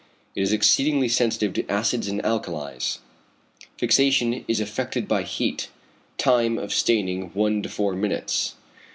It is exceedingly sensitive to acids and alkalis. Fixation is effected by heat. Time of staining 1 4 minutes.